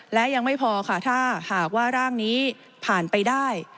และยังไม่พอค่ะถ้าหากว่าร่างนี้ผ่านไปได้